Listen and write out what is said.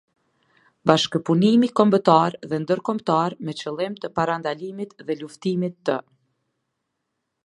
Bashkëpunimin kombëtar dhe ndërkombëtar me qëllim të parandalimit dhe luftimit të.